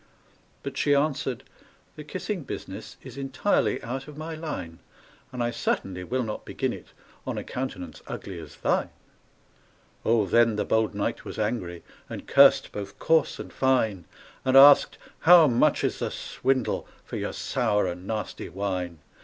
But she answered, "The kissing business Is entirely out of my line; And I certainly will not begin it On a countenance ugly as thine!" Oh, then the bold knight was angry, And cursed both coarse and fine; And asked, "How much is the swindle For your sour and nasty wine?"